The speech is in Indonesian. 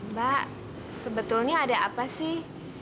mbak sebetulnya ada apa sih